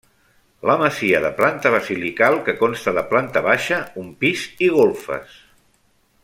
La masia de planta basilical que consta de planta baixa, un pis i golfes.